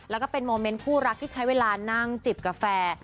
แล้วก็เป็นโมเมนต์คู่รักที่ใช้เวลานั่งจิบกาแฟ